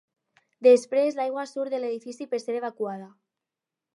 Després l'aigua surt de l'edifici per ser evacuada.